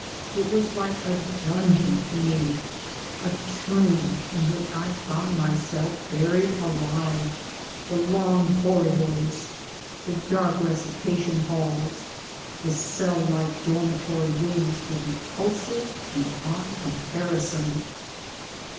It was like a dungeon to me, a tomb in which I found myself buried alive. The long corridors, the dark recitation halls, the cell like dormitory rooms, were repulsive beyond comparison.